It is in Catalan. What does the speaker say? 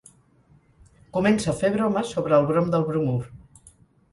Comença a fer bromes sobre el brom del bromur.